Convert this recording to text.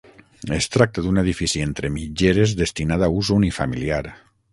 Es tracta d'un edifici entre mitgeres destinat a ús unifamiliar.